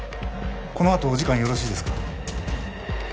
このあとお時間よろしいですか？